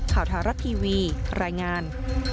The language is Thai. ข่าวทารัพย์ทีวีรายงาน